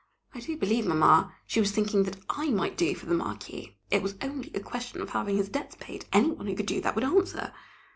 I do believe, Mamma, she was thinking that I might do for the Marquis! It was only a question of having his debts paid any one who could do that would answer.